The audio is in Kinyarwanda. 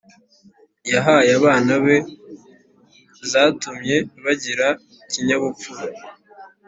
yahaye abana be zatumye bagira ikinyabupfura